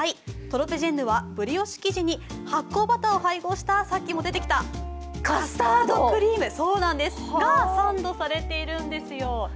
トロペジェンヌはブリオッシュ生地に発酵バターを配合したさっきも出てきたカスタードクリームがサンドされているんですよ。